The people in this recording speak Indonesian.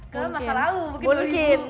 kalau masalah awu mungkin dua ribu dua puluh dua